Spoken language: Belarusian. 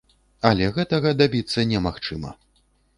Але гэтага дабіцца немагчыма.